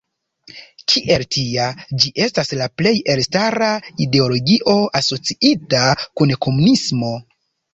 Kiel tia, ĝi estas la plej elstara ideologio asociita kun komunismo.